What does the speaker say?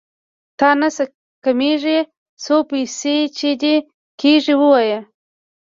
د تانه څه کمېږي څونه پيسې چې دې کېږي ووايه.